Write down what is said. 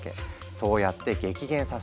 そうやって激減させ